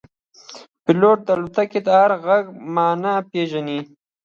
پیلوټ د الوتکې د هر غږ معنا پېژني.